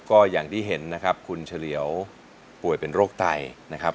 ก็อย่างที่เห็นนะครับคุณเฉลียวป่วยเป็นโรคไตนะครับ